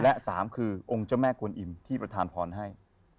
และ๓คือองค์เจ้าแม่กวนอิ่มที่ประธานพรให้